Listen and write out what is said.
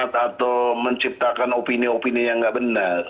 membohongi umat atau menciptakan opini opini yang nggak benar